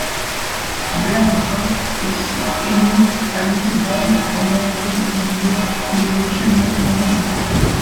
Bernhoft est né à Nittedal en Norvège, mais vit actuellement à New York.